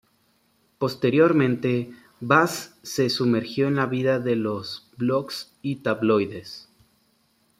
Posteriormente, Bass se sumergió en la vida de los blogs y tabloides.